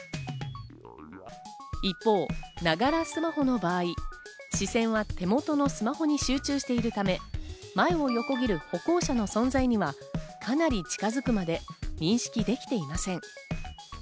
一方、ながらスマホの場合、視線は手元のスマホに集中しているため、前を横切る歩行者の存在には、かなり近づくまで認識できていません。